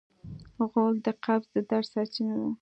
غول د قبض د درد سرچینه ده.